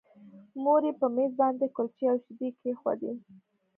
مور یې په مېز باندې کلچې او شیدې کېښودې